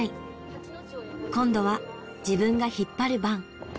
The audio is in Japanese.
今度は自分が引っ張る番。